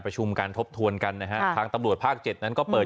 ประชุมการทบทวนกันนะฮะทางตำรวจภาคเจ็ดนั้นก็เปิด